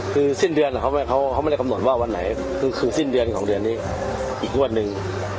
คือสิ้นเดือนเขาไม่ได้กำหนดว่าวันไหนคือสิ้นเดือนของเดือนนี้อีกงวดหนึ่ง